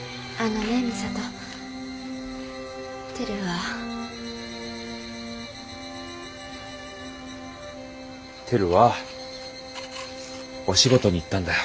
テルはお仕事に行ったんだよ。